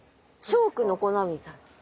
チョークの粉みたい。